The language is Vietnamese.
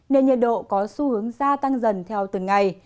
nên nhiệt độ có xu hướng gia tăng dần theo từng ngày